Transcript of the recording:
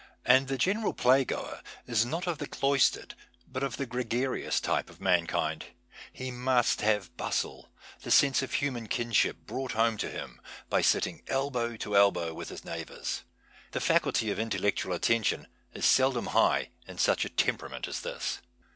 And the general playgoer is not of the cloistered but of the gregarious type of mankind ; he must have bustle, the sense of human kinship brought home to him by sitting elbow by elbow with his neighbours. The faculty of intellectual attention is seldom high in such a temperament as this.